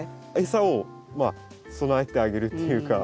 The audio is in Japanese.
餌を備えてあげるっていうか。